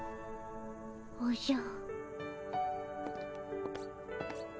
おじゃ。